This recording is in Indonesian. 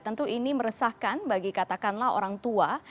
tentu ini meresahkan bagi katakanlah orang tua